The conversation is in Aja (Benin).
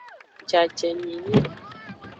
Jajenyenye.